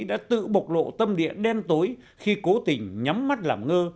đã tự bộc lộ tâm địa đen tối khi cố tình nhắm mắt làm ngơ